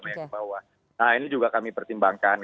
nah ini juga kami pertimbangkan